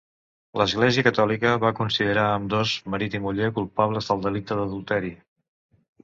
L'Església catòlica va considerar ambdós, marit i muller, culpables del delicte d'adulteri.